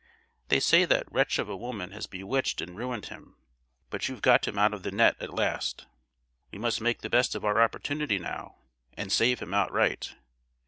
They say that wretch of a woman has bewitched and ruined him; but you've got him out of the net at last. We must make the best of our opportunity now, and save him outright.